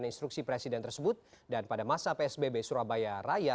instruksi presiden tersebut dan pada masa psbb surabaya raya